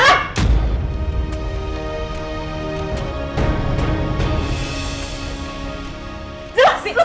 jelasin ke mas dino sekarang